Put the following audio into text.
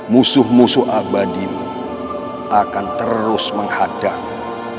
musuh musuh abadimu akan terus menghadang